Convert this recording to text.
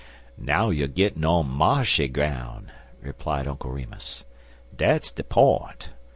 "Now you er gittin' on ma'shy groun'," replied Uncle Remus. "Dat's de p'int.